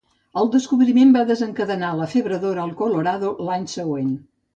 El descobriment va desencadenar la Febre d'Or al Colorado l'any següent.